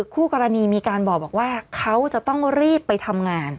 คู่กรณีมีการบอกว่าเขาจะต้องรีบไปทำงาน